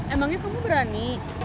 emangnya kamu berani